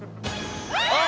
あっ！